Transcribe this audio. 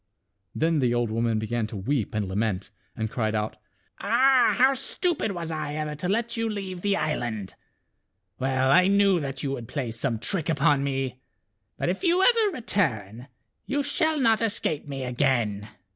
Then the old woman began to weep and lament, and cried out, " Ah ! how stupid was I ever to let you leave the island. Well I knew that you would play some trick upon me. But if you ever return, you shall not escape me again."